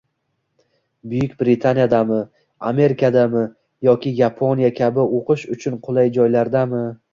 Buyuk Britaniyadami, Amerikadami yoki Yaponiya kabi oʻqish uchun qulay joylardami?